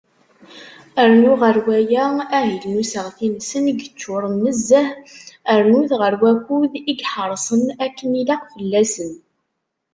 Rnu ɣer waya, ahil n useɣri-nsen i yeččuren nezzeh, rnu-t ɣer wakud i iḥeṛṣen akken ilaq fell-asen.